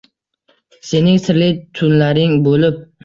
Sening sirli tunlaring bo’lib